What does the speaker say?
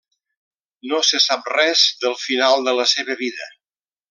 No se sap res del final de la seva vida.